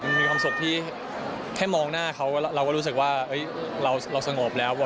มันมีความสุขที่แค่มองหน้าเขาเราก็รู้สึกว่าเราสงบแล้ว